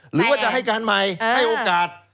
หรือว่าจะให้การใหม่ให้โอกาส